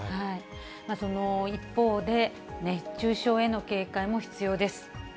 その一方で、熱中症への警戒も必要です。